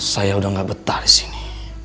saya udah gak betah di sini